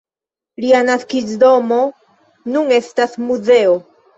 Lia naskiĝdomo nun estas muzeo.